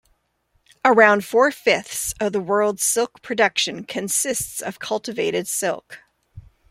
Around four-fifths of the world's silk production consists of cultivated silk.